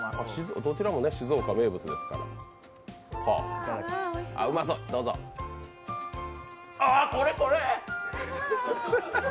どちらも静岡、名物ですからあ、これこれ！